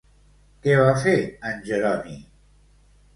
Què va fer en Jeroni?